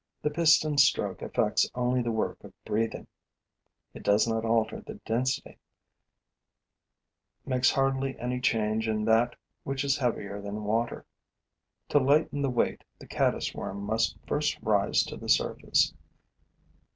The piston stroke affects only the work of breathing; it does not alter the density, makes hardly any change in that which is heavier than water. To lighten the weight, the caddis worm must first rise to the surface.